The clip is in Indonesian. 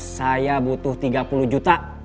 saya butuh tiga puluh juta